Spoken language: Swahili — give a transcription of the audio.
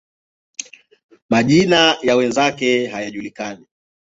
Majina ya wenzake hayajulikani.